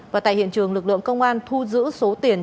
và tại hiện trường lực lượng công an thu giữ số tiền